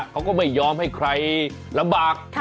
เขาก็ไม่ยอมให้ใครลำบาก